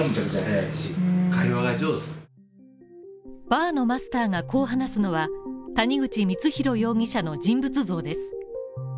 バーのマスターがこう話すのは谷口光弘容疑者の人物像です。